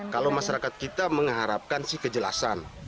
kalau masyarakat kita mengharapkan sih kejelasan